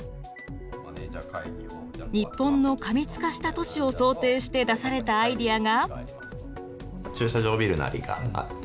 日本の過密化した都市を想定して出されたアイデアが。